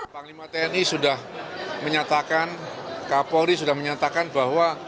panglima tni sudah menyatakan kapolri sudah menyatakan bahwa